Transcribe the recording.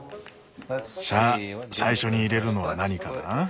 さあ最初に入れるのは何かな？